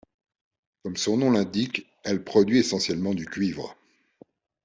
Comme son nom l'indique, elle produit essentiellement du cuivre.